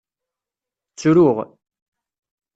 Ttruɣ.